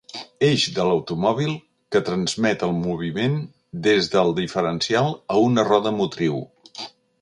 Eix de l'automòbil que transmet el moviment des del diferencial a una roda motriu.